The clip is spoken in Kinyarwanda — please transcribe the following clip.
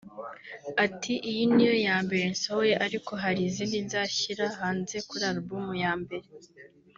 Ati “Iyi niyo ya mbere nsohoye ariko hari izindi nzashyira hanze kuri album ya mbere